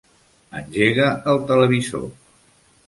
Engega el televisor.